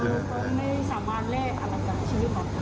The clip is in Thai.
ใช่เพราะว่าเขาก็ไม่สามารถเล่นอะไรกับชีวิตของพวกเขาได้